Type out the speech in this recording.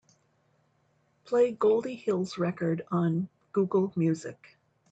Play Goldie Hill's record on Google Music.